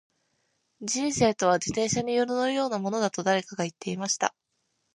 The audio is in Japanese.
•人生とは、自転車に乗るようなものだと誰かが言っていました。